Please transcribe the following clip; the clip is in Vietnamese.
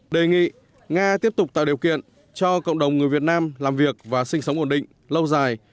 đề nghị nga tiếp tục tạo điều kiện cho cộng đồng người việt nam làm việc và sinh sống ổn định lâu dài